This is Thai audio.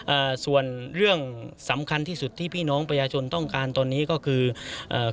อ่าส่วนเรื่องสำคัญที่สุดที่พี่น้องประชาชนต้องการตอนนี้ก็คือเอ่อ